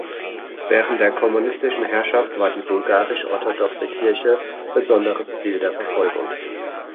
Während der kommunistischen Herrschaft war die Bulgarisch-orthodoxe Kirche besonderes Ziel der Verfolgung.